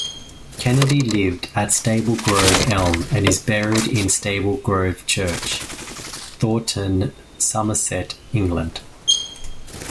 Kennedy lived at Staplegrove Elm and is buried in Staplegrove Church, Taunton, Somerset, England.